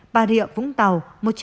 bà rịa vũng tàu một trăm ba mươi ba